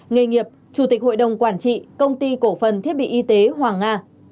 nghề nghiệp chủ tịch hội đồng quản trị công ty cổ phần thiết bị y tế hoàng nga